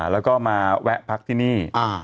แล้วก็มาแวะพักที่นี่